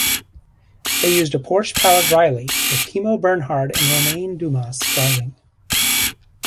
They used a Porsche-powered Riley with Timo Bernhard and Romain Dumas driving.